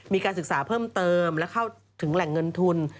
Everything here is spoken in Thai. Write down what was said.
มีการศึกษาเพิ่มเติมและเข้าถึงแหล่งเงินทุน